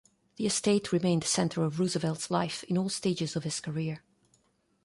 The estate remained the center of Roosevelt's life in all stages of his career.